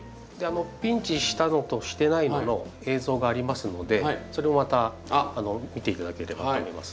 ピンチしたのとしていないのの映像がありますのでそれもまた見て頂ければと思います。